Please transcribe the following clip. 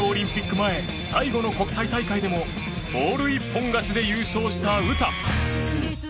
前最後の国際大会でもオール一本勝ちで優勝した詩。